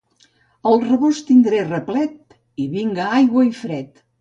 El rebost tindré replet, i vinga aigua i fred.